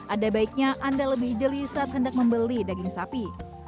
ada baiknya anda lebih jeli saat hendak membeli daging sapi